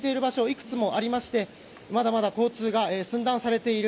いくつもありましてまだまだ交通が寸断されている。